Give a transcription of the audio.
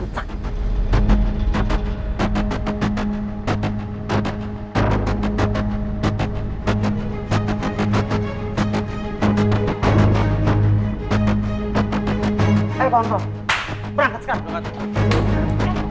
hei kontrol berangkat sekarang